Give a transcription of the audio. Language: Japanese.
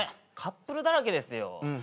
カップルだらけですよ。